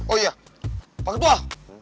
oh iya pak ketua